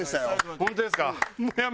本当ですか？